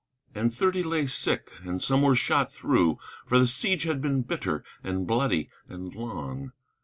And thirty lay sick, and some were shot through; For the siege had been bitter, and bloody, and long.